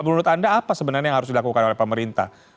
menurut anda apa sebenarnya yang harus dilakukan oleh pemerintah